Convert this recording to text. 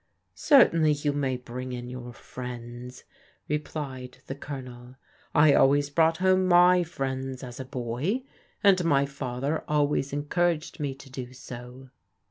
" Certainly you may bring in your friends," replied the Colonel. " I always brought home my friends, as a boy, and my father always encouraged me to do so."